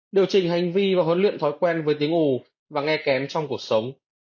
điều trình hành vi và huấn luyện thói quen với tiếng ủ và nghe kém trong cuộc sống